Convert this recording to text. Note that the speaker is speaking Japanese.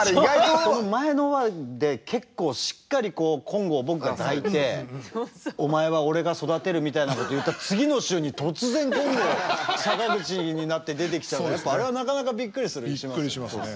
その前の話で結構しっかり金剛を僕が抱いてお前は俺が育てるみたいなことを言った次の週に突然金剛が坂口になって出てきちゃうからあれはなかなかびっくりするね。